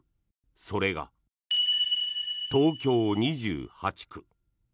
それが、東京２８区。